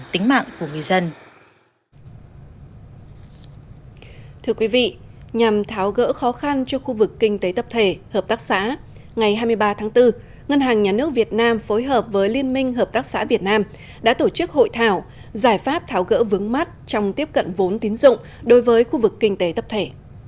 thưa quý vị nhằm tháo gỡ khó khăn cho khu vực kinh tế tập thể hợp tác xã ngày hai mươi ba tháng bốn ngân hàng nhà nước việt nam phối hợp với liên minh hợp tác xã việt nam đã tổ chức hội thảo giải pháp tháo gỡ vướng mắt trong tiếp cận vốn tín dụng đối với khu vực kinh tế tập thể